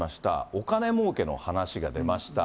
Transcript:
お金もうけの話が出ました。